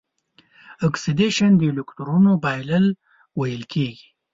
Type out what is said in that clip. اکسیدیشن د الکترون بایلل ویل کیږي.